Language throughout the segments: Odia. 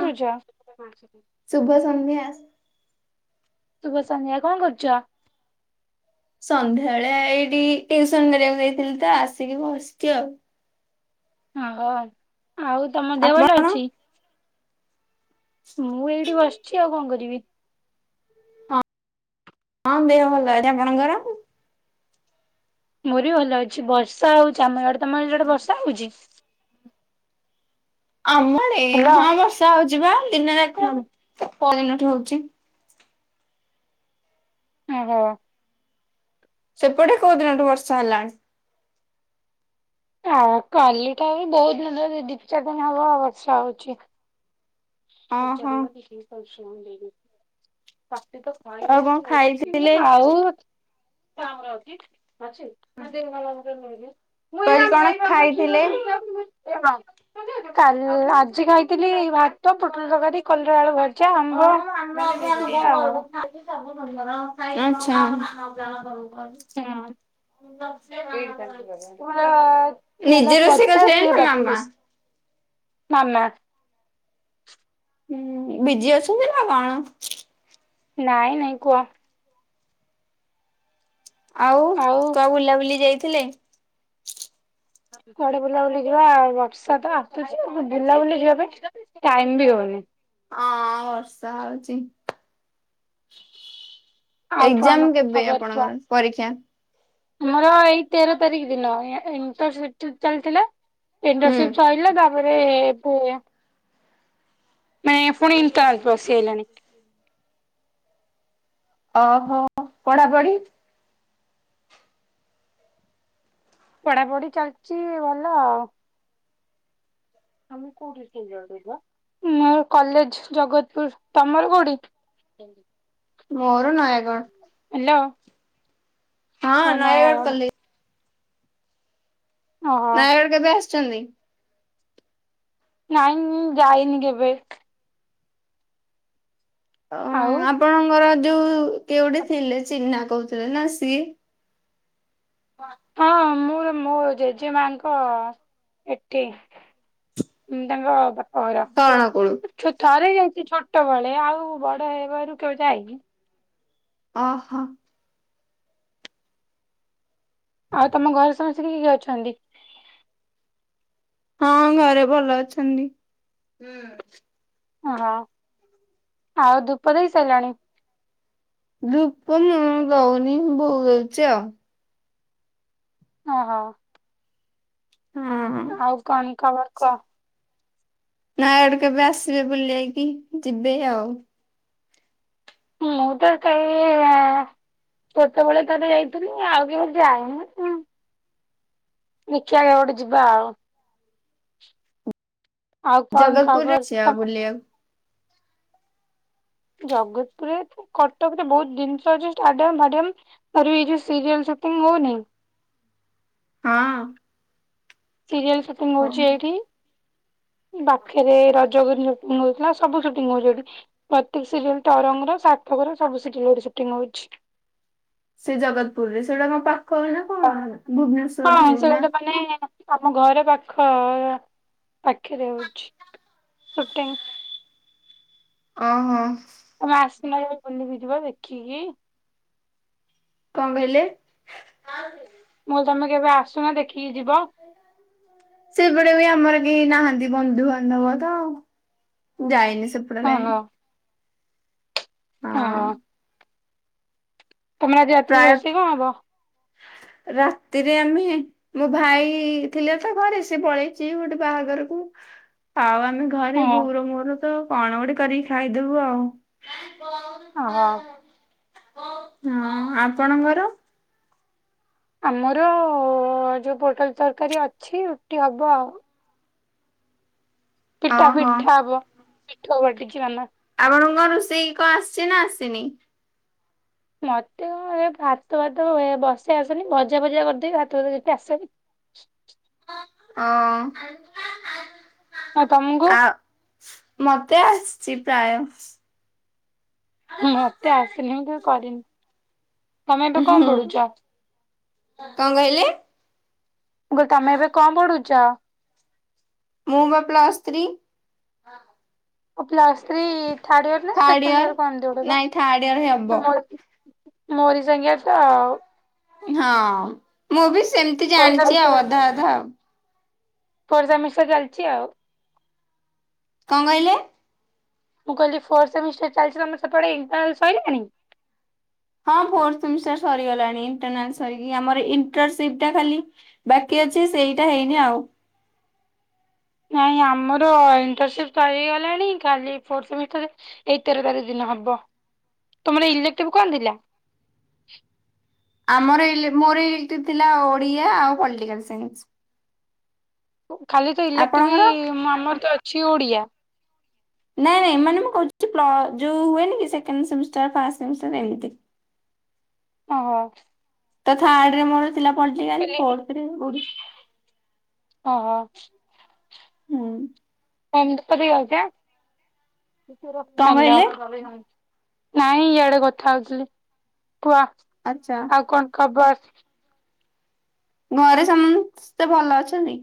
ହଁ ଶୁଭ ସନ୍ଧ୍ୟା। ଶୁଭ ସନ୍ଧ୍ୟା, କଣ କରୁଛ? ସନ୍ଧ୍ୟା ବେଳେ ଏଇଠି ଟିଉସନ୍ କରିବାକୁ ଯାଇଥିଲି ତ ଆସିକି ବସଚି ଆଉ। ହଁ ହୋ, ଆଉ ତୋମ ଦେହ ଭଲ ଆପଣ? ଅଛି? ମୁଁ ଏଇଠି ବସିଛି ଆଉ କଣ କରିବି। ହଁ, ହଁ ଦେହ ଭଲ [inaudible] ଆପଣଙ୍କର? ମୋର ବି ଭଲ ଅଛି ବର୍ଷା ହଉଛି ଆମ ଇଆଡେ। ତମଆଡେ ବର୍ଷା ହଉଛି? ଆମ ଆଡେ ହ୍ୟାଲୋ ହଁ ବର୍ଷା ହଉଛି ବା ଦିନ ଯାକ ପଅ ଦିନଠୁ ହଉଛି। ଓହୋ। ସେପଟେ କୋଉ ଦିନଠୁ ବର୍ଷା ହେଲାଣି? ଆ କାଲି ଟା ବି ବହୁତ ଦୀନ ଦି ଚାର ଦିନ ହବ ବର୍ଷା ହଉଛି। ଓହୋ ପଚାରୁନ [unintelligible] ପାଟି ତ ଆଉ ଖାଇଲେ କଣ କି ନ ଅଛି ଖାଇଥିଲେ ଆଉ ଅଛି। [unintelligible] ମୁଁ କହିଲି ଆମ କଣ ଭାଇ ବା ମ କ୍ଷୀର ଖାଇଥିଲେ? ଦେଇକି ଆଉଚି। [unintelligible] କା ଆଜି ଖାଇଥିଲି ଭାତ ପୋଟଲ ତରକାରୀ, କଲରା ଆଳୁ ଭ ଚା ଆମ୍ବ ଆଚ୍ଛା। ଆଉ [unintelligible] [unintelligible] ତୁମର ସିଏ ହେଲା ନିଜେ ରୋଷେଇ ପଚାଶ, କରିଥିଲେ ସେ ନା ମାମା? ବତିଶି। ନା ନା ହୁଁ ବିଜି ଅଛନ୍ତି ନା କଣ? ନାଇଁ ନାଇଁ କୁହ? ଆଉ କୁଆ ବୁଲାବୁଲି ଯାଇଥିଲେ। କୁଆଡେ ବୁଲାବୁଲି ଯିବା ଆଉ ବର୍ଷା ତ ଆସୁଛି, ବୁଲାବୁଲି ଯିବା ପାଇଁ ଟାଇମ ବି ହଉନି। ଅଁ ବର୍ଷା ହଉଚି। ଆଉ ଏକ୍ସାମ କଣ କେବେ ଖବର କୁହ ଆପଣଙ୍କର ପରୀକ୍ଷା? ଆମର ଏଇ ତେର ତାରିଖ ଦିନ ଏଣ୍ଟର ସିଟି ଚାଲିଥିଲା। ହୁଁ। ଇଣ୍ଟରସିପ ସରିଲା ତାପରେ ପିଅ ନାଇ ଫୁଣି କ୍ରାନ୍ କଶି ହେଲାଣି। ଅହ ପଢାପଢି? ପଢାପଢି ଚାଲିଛି ଭଲ ଆଉ। ମୋର କଲେଜ ଜଗତପୁର, ତମର କୋଉଠି? [unintelligible] ମୋର ନୟାଗ। ହାଲୋ। ହଁ ନୟାଗଡ଼ କଲେ ଓହୋ ନୟାଗଡ କେବେ ଆସିଛନ୍ତି? ନାଇଁ ମୁଁ ଯାଇନି କେବେ। ଅ। ଆଉ। ଆପଣଙ୍କର ଯୋଉ କିଏ ଗୋଟେ ଥିଲେ ଚିହ୍ନା କହୁଥିଲେ ନା ସିଏ କ। ହଁ ମୁଁ ମୋ ଜେଜେ ମାଙ୍କ ଏଠେ ହୁଁ ତାଙ୍କ ବା ଶରଣକୁଳୁ। ଛୁ ଥରେ ଯାଇଛି ଛୋଟବେଳେ, ଆଉ ବଡ ହେବାରୁ କେବେ ଯାଇନି। ଅହ। ଆଉ ତମ ଘରେ ସମସ୍ତେ କିଏ କିଏ ଅଛନ୍ତି? ହଁ ଘରେ ଭଲ ଅଛନ୍ତି। ଓହୋ ଆଉ ଧୂପ ଦେଇ ସାଇଲଣି? ଧୂପ ମୁଁ ଦଉନି, ବୋଉ ଦେଉଚି ଆଉ। ଓହୋ। ହଁ। ଆଉ କଇଁ ଖବର କଣ? ନୟାଗଡ଼ କେବେ ଆସିବେ ବୁଲେଇକି, ଯିବେ ଆଉ। ମୁଁ ପା କାଲି ଵା ବା। କେତେବେଳେ ଥରେ ହେଇଥିଲି ଆଉକେମିତି ଆଣି ସି। ଦେଖିବା କେବେ ଗୋଟେ ଯିବା ଆଉ। ଆଉ କନ ଜଗତପୁରରେ ଖବର ଅଛି ଆଉ ତମ? ବୁଲିବାକୁ। ଜଗତପୁରରେ କଟକରେ ବହୁତ ଜିନିଷ ଅଛି, ଷ୍ଟାଡିୟମ୍ ଫାଡିୟମ। ଆରେ ଏ ଯୋଉ ସିରିୟେଲ୍ ସୁଟିଂଙ୍ଗି ହଉନି। ହଁ। ସିରିଏଲ୍ ସୁଟିଂଙ୍ଗି ହଁ ହଉଚି ଏଇଠି। ବାଖେରେ ରଜକୁଇନୀ ଶୁଟିଂଙ୍ଗି ହଉଥିଲା ସବୁ ସୁଟିଂଙ୍ଗି ହଉଛି ଏଠି। ପ୍ରତ୍ୟେକେ ସିରିଏଲ୍ ତରଙ୍ଗ ର ସାଥକ ର ସବୁ ସିରିଏଲ୍ ଶୁଟିଂଙ୍ଗ୍ ହଉଚି। ସେଇ ଜଗତପୁର ରେ ସେଇଉଟା କଣ ପାଖହୁଏ ନା? କଣ ହଁ ଭୁବନେଶ୍ଵରରୁ ନା ସେହୋଚ ତମେ। ଆମ ଘରେ ପାଖ ପାଖରେ ହେଉଚି ସୁଟିଂଙ୍ଗ୍। ଓ ହୋ। ତମେ ଆସୁନ ବୁଲିିକି ଯିବ ଦେଖିକି। କଣ କହିଲେ? ମୁଁ ତମେ କେବେ ଆସୁନ ଦେଖିକି ଯିବ। ସେପଟେ ବି ଆମର କେହି ନାହାନ୍ତି ବନ୍ଧୁବାନ୍ଧବ ତ ଯାଇନି ସେପଟ ଲାଇନି। ହଁ। ତମର ଆଜି ରାତିରେ ପ୍ରାୟ ରୋଷେଇ କଣ ହବ? ରାତିରେ ଆମେ ମୋ ଭାଇ ଥିଲେ ତ ଘରେ ସିଏ ପଳେଇଚି ଗୋଟେ ବାହାଘରକୁ ଆଉ ଆମେ ଘରେ ହଁ ବୋଉର ମୋର ତ କଣ ଗୋଟେ କରିକି ଖାଇଦବୁ ଆଉ। ଓହୋ। ହଁ ଆପଣଙ୍କର? ଆମର ଯୋଉ ପୋଟଳ ତରକାରୀ ଅଛି ରୁଟି ହବ ଆଉ। ପିଠା ଓହୋ ଫିଠା ହବ ପିଠୋଉ ବଟିକି ନେନେ। ଆପଣଙ୍କ ରୋଷେଇ କଣ ଆସିଛି ନା ଆସିନି? ମତେ କଣ ଭାତ ଫାତ ବସେଇ ଆସିନି ଭଜା ଭଜା କରିଦେବି ଭାତ ଫାତ କିଛି ଆସେନି। ହଁ। ଆଁ ତମ୍ ଗୁ? ଆଉ ମତେ ଆସିଚ ପ୍ରାୟ। ମତେ ଆସିନି ମୁଁ କେବେ କରିନି ତମେ ଏବେ ହୁଁ। କଣ ପଢୁଚ? କଣ କହିଲେ? ମୁ କହୁଚି ତମେ ଏବେ କଣ ପଢୁଚ? ମୁଁ ପା ପ୍ଲସ୍ ସ୍ତ୍ରୀ। ଅ ପ୍ଲାସ୍ ଥ୍ରୀ ଥାର୍ଡ଼ ଇୟର୍ ନା ଥାର୍ଡ ସେକେଣ୍ଡ ଇୟର୍ କଣ ଏମିତି ଗୋଟେ ଇୟର ପା ନାଇଁ ଥାର୍ଡ ଇୟର ହେବ। ତୁମଡ଼ ମୋରି ସାଙ୍ଗିଆ ତ ଆଉ। ହଁ ମୁଁ ବି ସେମିତି ଫୋର୍ ଜାଣିଚି ଆଉ ସେମିଷ୍ଟାର ଅଧା ଅଧା। ପର୍ଜା ମିଶା ଚାଲଚି ଆଉ। କଣ କହିଲେ? ମୁଁ କହିଲି ଫୋର ସେମିଷ୍ଟର ଚାଲିଚି, ତମର ସେ ପଟେ ଇଣ୍ଟରନାଲ ସଇଲାଣି? ହଁ, ଫୋର ସେମିଷ୍ଟାର ସରିଗଲାଣି, ଇଣ୍ଟରନାଲ ସରିକି, ଆମର ଇଣ୍ଟରସିପଟା ଖାଲି ବାକି ଅଛି, ସେଇଟା ହେଇନି ଆଉ। ନାଇଁ ଆମର ଇଣ୍ଟର୍ନସିପ୍ ଚାଲିଗଲାଣି, ଖାଲି ଫୋର୍ଥ ସେମିଷ୍ଟର ଏଇ ତେର ତାରିଖ ଦିନ ହବ, ତମର ଇଲେକ୍ଟ୍ରଭ କଣ ଥିଲା? ଆମର ଇଲେ, ମୋର ଏ ଥିଲା ଓଡିଆ ଆଉ ପଲିଟିକାଲ ସାଇନ୍ସ। ଖାଲି ତ ଇଲେକ୍ଟ୍ରଭି, ଆପଣଙ୍କର? ଆମର ତ ଅଛି ଓଡିଆ। ନାଇଁ ନାଇଁ, ମାନେ ମୁଁ କହୁଛି ଯୋଉ ହୁଏନି କି, ସେକେଣ୍ଡ ସେମିଷ୍ଟାର, ଫାଷ୍ଟ ସେମିଷ୍ଟାର ଏମିତି ଓହୋ। ତ ଥାର୍ଡ ରେ ମୋର ଥିଲା ପଲିଟିକାଲ, ଫୋର୍ଥରେ ଉଡି ଅ ହ। ହୁଁ ଉଁ। କଣ କହିଲେ? [unintelligible] ନାଇଁ ଇଆଡେ କଥା ହଉଥିଲି, ତୁଆ। ଆଛା। ଆଉ କଣ ଖବର? ଘରେ ସମସ୍ତେ ଭଲ ଅଛନ୍ତି?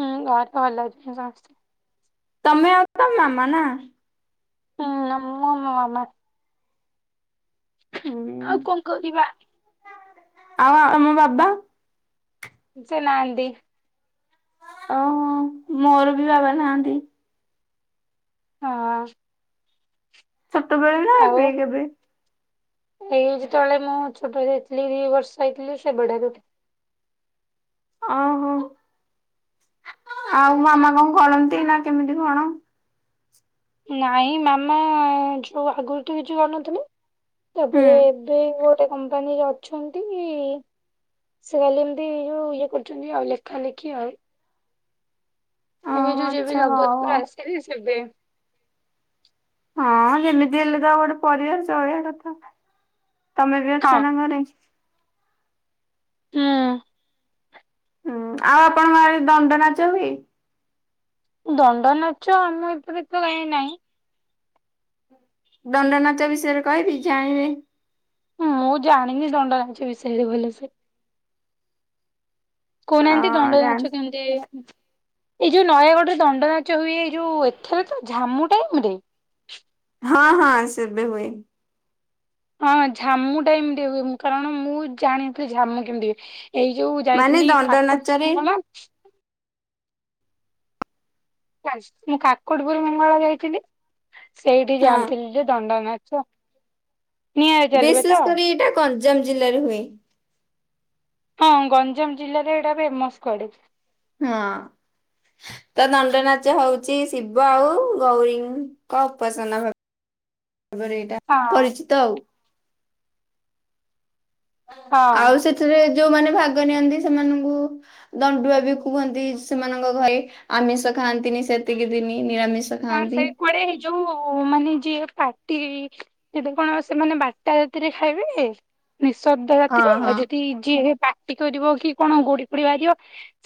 ହଁ, ଘରେ ତ ଭଲ ‌ଅଛନ୍ତି ସମସ୍ତେ। ତମେ ଆଉ ତ, ମାମା ନା? ହୁଁ, ଆମ ମାମା ହୁଁ ଆଉ କଣ୍ କରିବା? ଆଉ ଆମ ବାବା? ସେ ନାହାନ୍ତି। ଓହୋ, ମୋର ବି ବାବା ନାହାନ୍ତି। ହଁ ଅଁ। ଛୋଟବେଳେ ନା, ଆଉ ଏବେ କେବେ? ଏଇ ଯେତେବଳେ ମୁଁ ଛୋଟ ହେଇଥିଲି, ଦି ବର୍ଷ ହେଇଥିଲି, ସେବେ ଠାରୁ। ଓହୋ, ଆଉ ମାମା କଣ କରନ୍ତି ନା, କେମିତି କଣ? ନାଇଁ ମାମା ଯଉ ଆଗରୁ ତ କିଛି କରୁନଥିଲେ ହୁଁ ତାପରେ ଏବେ ଗୋଟେ କମ୍ପାନୀରେ ଅଛନ୍ତି ଇ ଇ ସେ ଗଲେ ଏମିତି ଯଉ ଇଏ କରୁଛନ୍ତି ଆଉ, ଲେଖା ଲେଖି ଆଉ। ଏବେ ଓହୋ ଯଉ ଯେବେ ଆଚ୍ଛା ହଉ ଜଗତପୁର୍ ଆଉ। ଆସିଲି ସେବେ। ହଁ, ଯେମିତି ହେଲେ ତ ଆଉ ଗୋଟେ ପରିବାର ଚଳିବା କଥା, ତମେ ବି ହଁ ଅଛନା ଘରେ? ହୁଁ। ହୁଁ, ଆଉ ଆପଣଙ୍କ ଆଡେ ଦଣ୍ଡ ନାଚ ହୁଏ? ଦଣ୍ଡ ନାଚ ଆମ ଏପଟେ ତ କାଇଁ ନାହିଁ। ଦଣ୍ଡ ନାଚ ବିଷୟରେ କହିବି, ଜାଣିବେ। ମୁଁ ଜାଣିନି ଦଣ୍ଡନାଚ ବିଷୟରେ ଭଲସେ। ଅ କହୁନାହାନ୍ତି ଦଣ୍ଡନାଚ କେମିତି? ଏଇ ଯଉ ନୟାଗଡରେ ଦଣ୍ଡ ନାଚ ହୁଏ, ଏଇ ଯଉ ଏଥର ତ, ଝାମୁ ଟାଇମ୍ ରେ ହଁ ହଁ, ସେବେ ହୁଏ। ହଁ, ଝାମୁ ଟାଇମ୍ ରେ ହୁଏ, ମୁଁ -କାରଣ ମୁଁ ଜାଣିିନଥିଲି ଝାମୁ କେମିତି ହୁଏ? ଏଇ ଯଉ ମାନେ ଯାଇଥିଲି, ଦଣ୍ଡ କାକଟପୁର ନାଚରେ ମଙ୍ଗଳା ମୁଁ କାକଟପୁର୍ ମଙ୍ଗଳା ଯାଇଥିଲି ସେଇଠି ହଁ ଜାଣିଥିଲି ଯେ ଦଣ୍ଡନାଚ ବିଶେଷ କରି ଏଇଟା ଗଞ୍ଜାମ ଜିଲ୍ଲାରେ ହୁଏ। ହଁ ଗଞ୍ଜାମ ଜିଲ୍ଲାରେ ହେଇଟା ଫେମସ୍ କୁଆଡେ। ହଁ। ତ ଦଣ୍ଡନାଚ ହଉଚି ଶିବ ଆଉ ଗୌରୀଙ୍କ ଉପାସନା ଭାବେ। ତାପରେ ଏଇଟା ହଁ ପରିଚିତ ଆଉ। ହଁ। ଆଉ ସେଥିରେ ଯଉମାନେ ଭାଗ ନିଅନ୍ତି ସେମାନଙ୍କୁ ଦଣ୍ଡୁଆ ବି କୁହନ୍ତି ସେମାନଙ୍କ ଘରେ। ଆମିଷ ଖାଆନ୍ତିନି ସେତିକି ଦିନି। ନିରାମିଷ ହଁ ଖାଆନ୍ତି। ସେ କୁଆଡେ ହେ ଯଉ ମାନେ ଯିଏ ପାଟି ତେବେ କଣ ସେମାନେ ବାରଟା ରାତିରେ ଖାଇବେ, ନିଃଶବ୍ଦ ହଁ ରାତିରେ ଆଉ ହଁ ଯଦି ଯିଏ ପା ଟି କରିବ କି କଣ ଗୋଡି ଫୋଡି ବାହାରିବ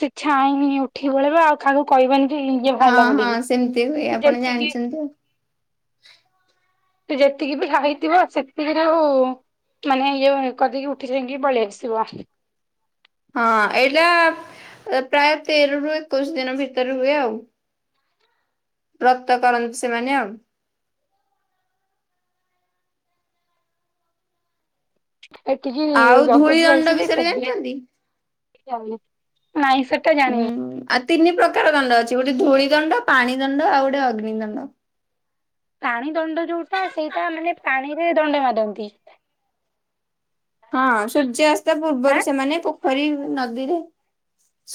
ସେ ଛାଉଁ କି ଉଠିକି ପଳେଇବ ଆଉ କାହାକୁ କହିବନି କି ଇଏ ବାହାରିଲା ବୋଲିକି। ସେମତି ହୁଏ ଆପ୍ ସେତିକି [inaudible] ସେ ଯେତିକି ବି ଖାଇଥିବ ସେତିକିରୁ ମାନେ ଇଏ କରିଦେଇକି ଉଠି ଯାଇଁକି ପଳେଇଆସିବ। ହଁ। ଏଇଟା ପ୍ରାୟ ତେରରୁ ଏକୋଇଶି ଦିନ ଭିତରେ ହୁଏ ଆଉ। ବ୍ରତ କରନ୍ତି ସେମାନେ ଆଉ। ଏଠିକି ଆଉ ଧୂଳି ଜଗତପୁର୍ ଦଣ୍ଡ ବିଷୟରେ ଆସିଲି, ଜାଣିଛନ୍ତି? [unintelligible] ନାଇଁ ସେଟା ଉଁ ଜାଣିନି। ଆଉ ତିନି ପ୍ରକାର ଦଣ୍ଡ ଅଛି। ଗୋଟେ ଧୂଳି ଦଣ୍ଡ, ପାଣି ଦଣ୍ଡ, ଆଉ ଗୋଟେ ଅଗ୍ନି ଦଣ୍ଡ। ପାଣି ଦଣ୍ଡ ଯଉଟା ସେଇଟା ମାନେ ପାଣିରେ ଦଣ୍ଡ ମାରନ୍ତି। ହଁ ସୂର୍ଯ୍ୟାସ୍ତ ଆଁ ପୂର୍ବରୁ ସେମାନେ ପୋଖରୀ ନଦୀରେ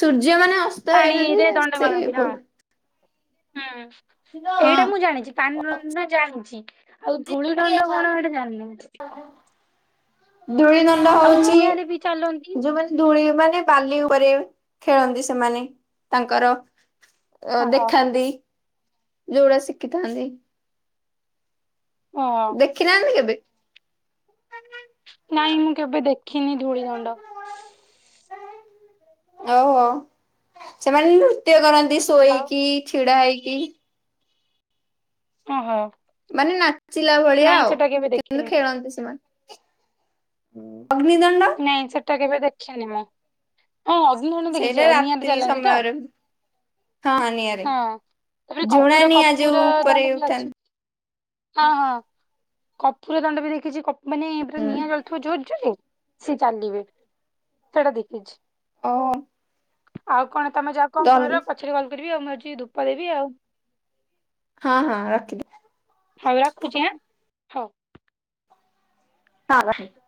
ସୂର୍ଯ୍ୟ ମାନେ ଅ ସ୍ତ ହେଇ ପାଣିରେ ଦଣ୍ଡ ନଥିବେ ମାରନ୍ତି ହଁ [unintelligible] ହୁଁ। ଏଇଟା ମୁଁ ହଁ ଜାଣିଚି ପାଣି ଦଣ୍ଡ ଟା ଜାଣିଚି। ଆଉ ଧୂଳି ଦଣ୍ଡ କଣ ହେଟା ଜାଣିନି। ଦୋଳି ଦଣ୍ଡ ଆଉ ହଉଚି ନିଆଁରେ ବି ଚାଲନ୍ତି ଯୋଉମାନେ ଧୂଳି ମାନେ ବାଲି ଉପରେ ଖେଳନ୍ତି ସେମାନେ ତାଙ୍କର ଅ ଓହୋ ଦେଖାନ୍ତି। ଯୋଉଟା ଶିଖିଥାନ୍ତି। [unintelligible] ଦେଖିନାହାନ୍ତି କେବେ? ନାଇଁ ମୁଁ କେବେ ଦେଖିନି ଧୂଳି ଦଣ୍ଡ। ଓହୋ। ସେମାନେ ବି ନୃତ୍ୟ କର ନ୍ତି ସୋଇକି ଆଉ କି ଛିଡ଼ା ହେଇକି। ଓହୋ। ମାନେ ନାଚିଲା ଭଳିଆ ନାଇଁ ଆଉ। ସେଟା କେବେ କିନ୍ତୁ ଦେଖିନି ଖେଳନ୍ତି ସେମାନେ। ଅଗ୍ନି ଦଣ୍ଡ ନାଇଁ ସେଟା କେବେ ଦେଖିନି ମୁଁ। ହଁ ଅଗ୍ନି ଦଣ୍ଡ ସେଇଟା ଦେଖିଚି। ନିଆଁରେ ରାତ୍ରି ଚାଲନ୍ତି ତ? ସମୟରେ ହଁ ନିଆଁରେ ହଁ। ତାପରେ ଝୁଣା କପୁର ନିଆଁ ଯୋଉ କପୁର ଉପରେ ଦଣ୍ଡ ବି ଅଛି। ଉଠାନ୍ତି। ହଁ ହଁ। କପୁର ଦଣ୍ଡ ବି ଦେଖିଚି। କ ମାନେ ପୁରା ହୁଁ ନିଆଁ ଜଳୁଥିବ ଜୋର ଜୋରେ ସେ ଚାଲିବେ। ସେଇଟା ଦେଖିଚି। ଓହୋ। ଆଉ କଣ ତମେ ଯା କଣ କର। ପଛରେ କଲ୍ କରିବି ଆଉ ମୁଁ ଯାଉଚି ଧୂପ ଦେବି ଆଉ। ହଁ ହଁ। ରଖି ହଉ ରଖୁଛି ଆଁ। ହଉ। ହଁ ରଖନ୍ତୁ।